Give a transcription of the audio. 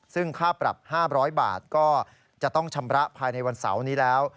ซึ่งค่าปรับ๕๐๐บาทก็จะต้องชำระภายในวันเสาร์นี้แล้ว